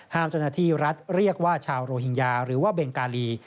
ห้ามจณะที่รัฐเรียกว่าชาวโรฮิงญาหรือเบงกาลี